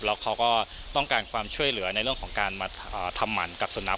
แล้วเขาก็ต้องการความช่วยเหลือในเรื่องของการมาทำหมันกับสุนัข